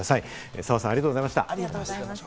澤さん、ありがとうございました。